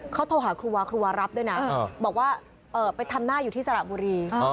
เขาโทรหาครูวาครูวารับด้วยนะบอกว่าไปทำหน้าอยู่ที่สระบุรี